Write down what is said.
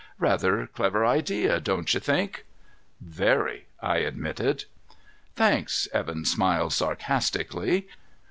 Rather clever idea, don't you think?" "Very," I admitted. "Thanks." Evan smiled sarcastically.